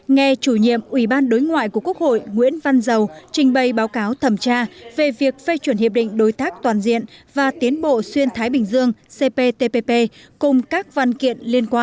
nghe chủ nhiệm ủy ban đối ngoại của quốc hội nguyễn văn giàu trình bày báo cáo thẩm tra về việc phê chuẩn hiệp định đối tác toàn diện và tiến bộ xuyên thái bình dương cptpp cùng các văn kiện